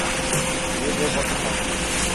یہ وہ وقت تھا۔